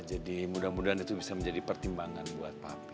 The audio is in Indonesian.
jadi mudah mudahan itu bisa menjadi pertimbangan buat papi